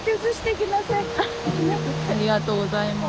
ありがとうございます。